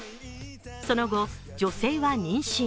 その後、女性は妊娠。